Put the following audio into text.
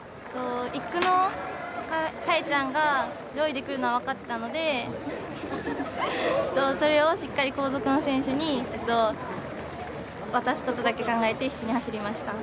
１区のかえちゃんが上位で来るのが分かっていたので、それをしっかり後続の選手に渡すことだけ考えて、一生懸命走りました。